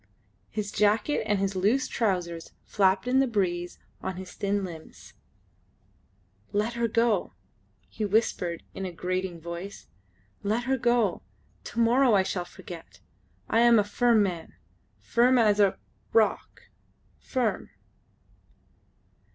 His jacket and his loose trousers flapped in the breeze on his thin limbs. "Let her go!" he whispered in a grating voice. "Let her go. To morrow I shall forget. I am a firm man, ... firm as a ... rock, ... firm